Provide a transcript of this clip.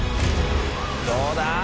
どうだ？